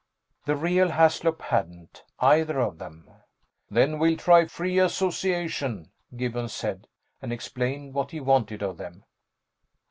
The real Haslop hadn't. Either of them. "Then we'll try free association," Gibbons said, and explained what he wanted of them.